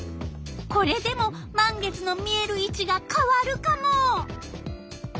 これでも満月の見える位置がかわるカモ。